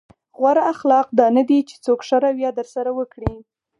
غوره اخلاق دا نه دي چې څوک ښه رويه درسره وکړي.